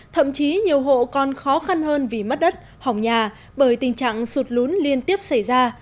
thậm chí nhiều hộ còn khó khăn hơn vì mất đất hỏng nhà bởi tình trạng sụt lún liên tiếp xảy ra